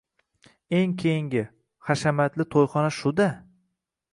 Eng keyingi, hashamatli to`yxona shu-da